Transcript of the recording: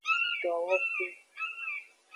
Dowoxu.